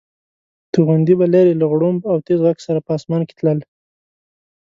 توغندي به لرې له غړومب او تېز غږ سره په اسمان کې تلل.